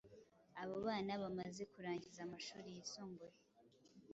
abo bana bamaze kurangiza amashuri yisumbuye